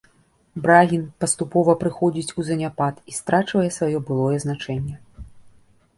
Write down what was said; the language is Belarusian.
Брагін паступова прыходзіць у заняпад і страчвае сваё былое значэнне.